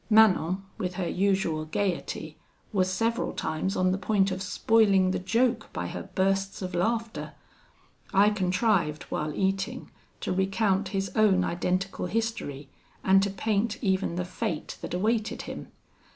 Manon, with her usual gaiety, was several times on the point of spoiling the joke by her bursts of laughter. I contrived, while eating, to recount his own identical history, and to paint even the fate that awaited him.